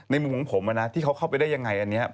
มุมของผมที่เขาเข้าไปได้ยังไงอันนี้